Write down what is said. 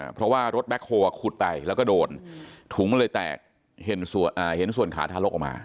เพราะว่ารถแบ็คโฮลขุดไปแล้วก็โดนถุงมันเลยแตกเห็นส่วนขาทารกออกมา